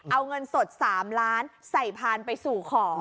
เอาเงินสด๓ล้านใส่พานไปสู่ขอ